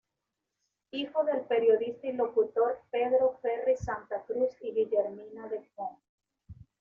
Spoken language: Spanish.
Hijo del periodista y locutor Pedro Ferriz Santa Cruz y Guillermina de Con.